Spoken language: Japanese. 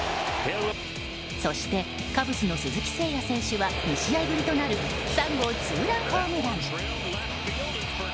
そして、カブスの鈴木誠也選手は２試合ぶりとなる３号ツーランホームラン。